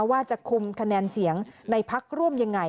ว่าจะคุมคะแนนเสียงในพักร่วมยังไง